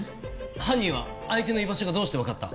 犯人は相手の居場所がどうしてわかった？